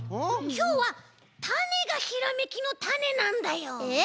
きょうはたねがひらめきのタネなんだよ。え？